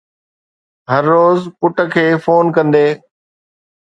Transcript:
هر روز پٽ کي فون ڪندي